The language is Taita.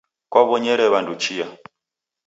Kuw'onyere w'andu chia.